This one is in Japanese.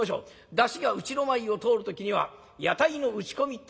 山車がうちの前を通る時には屋台の打ち込みってえ囃子になる。